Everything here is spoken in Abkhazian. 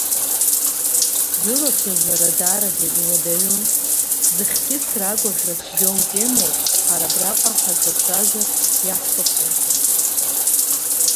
Зылацәажәара даараӡа иуадаҩу, зыхькьысра агәаӷьра цәгьоу темоуп ҳара абраҟа ҳазлацәажәарц иаҳҭаху.